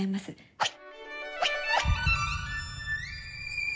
はい。